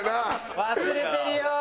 忘れてるよ！